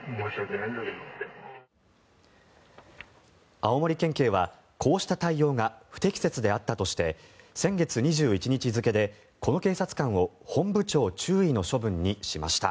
青森県警はこうした対応が不適切であったとして先月２１日付でこの警察官を本部長注意の処分にしました。